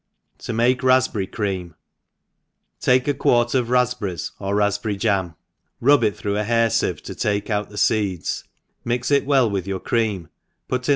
To make Raspberry Cream. TAKE a quart of rafpberries, or rafpberry jam, rub it through a hair fieve to takis out the feeds, mix it vyell with your cream, put in as much L.